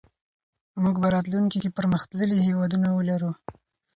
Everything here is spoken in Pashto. موږ به راتلونکي کې پرمختللی هېواد ولرو.